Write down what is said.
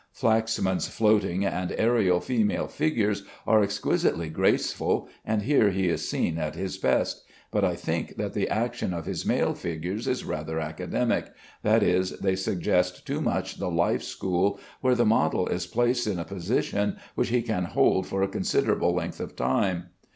Flaxman's floating and aërial female figures are exquisitely graceful, and here he is seen at his best; but I think that the action of his male figures is rather academic; that is, they suggest too much the life school, where the model is placed in a position which he can hold for a considerable length of time.